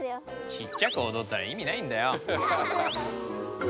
ちっちゃくおどったらいみないんだよ！